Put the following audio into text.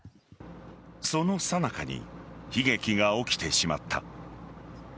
そのさなかに悲劇が起きてしまった。